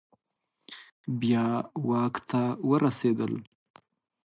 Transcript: بیا واک ته ورسیدل